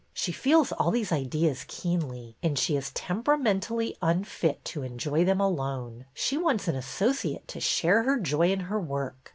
She feels all these ideas keenly, and she is temperamentally unfit to enjoy them alone. She wants an asso ciate to share her joy in her work.